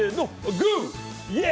グー！